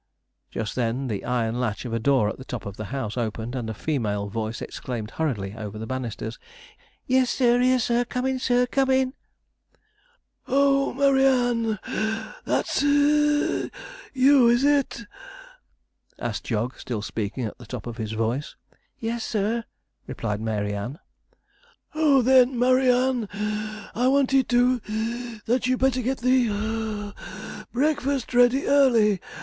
Just then, the iron latch of a door at the top of the house opened, and a female voice exclaimed hurriedly over the banisters: 'Yes, sir! here, sir! comin' sir! comin'!' 'Oh, Murry Ann (puff), that's (wheeze) you, is it?' asked Jog, still speaking at the top of his voice. 'Yes, sir,' replied Mary Ann. 'Oh! then, Murry Ann, I wanted to (puff) that you'd better get the (puff) breakfast ready early.